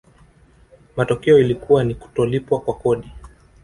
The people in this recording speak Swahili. matokeo ilikuwa ni kutolipwa kwa kodi